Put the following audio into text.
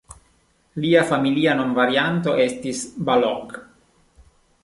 Lia familia nomvarianto estis "Balogh".